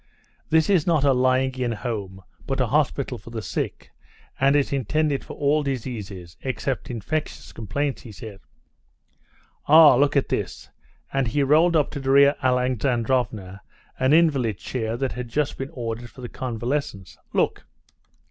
"This is not a lying in home, but a hospital for the sick, and is intended for all diseases, except infectious complaints," he said. "Ah! look at this," and he rolled up to Darya Alexandrovna an invalid chair that had just been ordered for the convalescents. "Look."